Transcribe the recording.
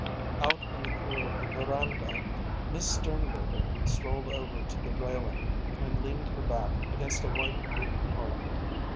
Out in the cool of the veranda Miss Sternberger strolled over to the railing and leaned her back against a white wooden column.